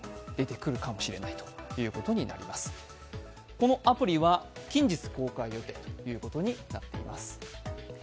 このアプリは近日公開予定になっています。